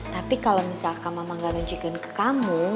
tapi kalau misalkan mama gak nunjukin ke kamu